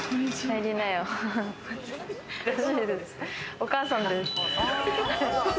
お母さんです。